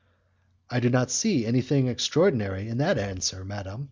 "I do not see anything extraordinary in that answer, madam."